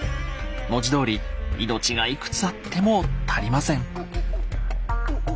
文字どおり命がいくつあっても足りません。